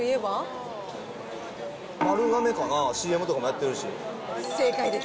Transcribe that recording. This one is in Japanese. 丸亀かな、ＣＭとかもやって正解です。